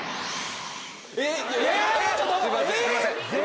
えっ⁉すいません。